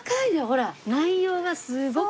ほら。